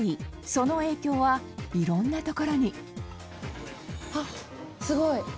その影響は、いろんな所にすごい！